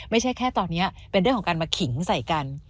ไม่ใช่แค่ตอนนี้เป็นเรื่องของการมาขิงใส่กัน